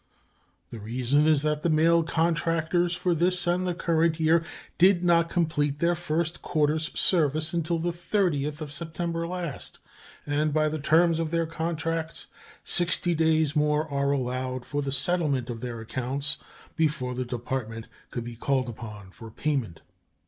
The reason is that the mail contractors for this and the current year did not complete their first quarter's service until the 30th September last, and by the terms of their contracts sixty days more are allowed for the settlement of their accounts before the Department could be called upon for payment.